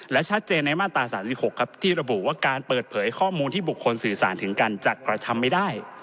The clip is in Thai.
และชัดเจนในมาตรา๓๖ครับที่ระบุว่าการเปิดเผยข้อมูลที่บุคคลสื่อสารถึงกันจะกระทำไม่ได้